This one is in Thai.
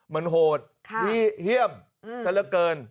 มันโหดเหี้ยมเส้นเหลือเกิน